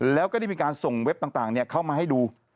แล้วก็ได้มีการส่งเว็บต่างเข้ามาให้ดู